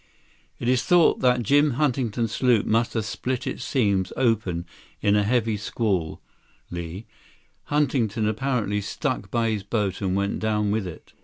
"It is thought that Jim Huntington's sloop must have split its seams open in a heavy squall, Li. Huntington apparently stuck by his boat and went down with it."